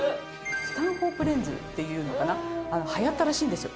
スタンホープレンズっていうのかな流行ったらしいんですよ。